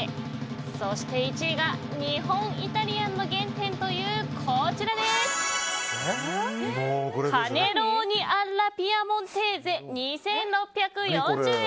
そして１位が日本イタリアンの原点というカネローニアッラピアモンテーゼ、２６４０円。